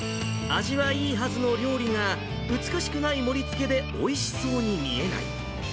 味はいいはずの料理が、美しくない盛りつけでおいしそうに見えない。